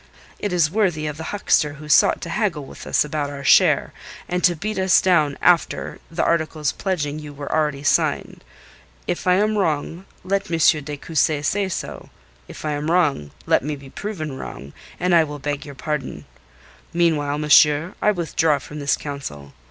It is worthy of the huckster who sought to haggle with us about our share, and to beat us down after the articles pledging you were already signed. If I am wrong let M. de Cussy say so. If I am wrong, let me be proven wrong, and I will beg your pardon. Meanwhile, monsieur, I withdraw from this council.